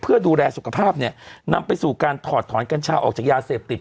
เพื่อดูแลสุขภาพเนี่ยนำไปสู่การถอดถอนกัญชาออกจากยาเสพติด